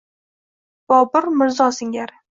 Mirzo Bobur singari.